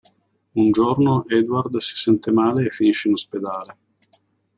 Un giorno Edward si sente male e finisce in ospedale.